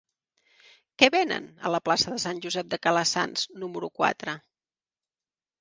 Què venen a la plaça de Sant Josep de Calassanç número quatre?